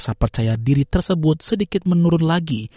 rasa percaya diri tersebut sedikit menurun lagi